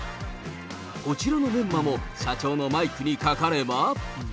こちらのメンマも社長のマイクにかかれば。